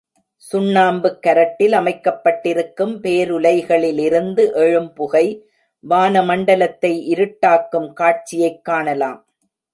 சுண்ணாம்புக் கரட்டில் அமைக்கப்பட்டிருக்கும் பேருலைகளிலிருந்து எழும்புகை வான மண்டலத்தை இருட்டாக்கும் காட்சியைக் காணலாம்.